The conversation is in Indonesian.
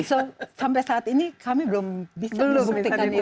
sampai saat ini kami belum bisa membuktikan itu